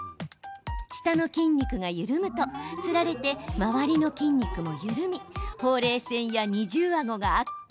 舌の筋肉が緩むとつられて周りの筋肉も緩みほうれい線や二重あごが悪化。